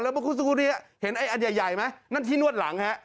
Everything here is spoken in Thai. แล้วมันคุ้นสุดนี้เห็นไอ้อันใหญ่ไหมนั่นที่นวดหลังฮะ